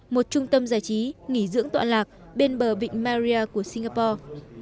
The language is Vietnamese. một trung tâm giải trí nghỉ dưỡng tọa lạc bên bờ vịnh maria của singapore